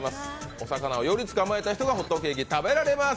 お魚をより捕まえた人がホットケーキを食べられます。